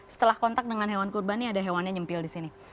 setelah kontak dengan hewan kurban ini ada hewan nya nyempil disini